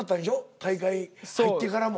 大会入ってからも。